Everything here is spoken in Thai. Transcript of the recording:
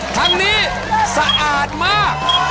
ทั้งนี้สะอาดมาก